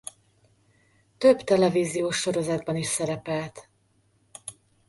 Több televíziós sorozatban is szerepelt.